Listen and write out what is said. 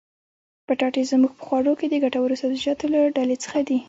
پټاټې زموږ په خوړو کښي د ګټورو سبزيجاتو له ډلي څخه دي.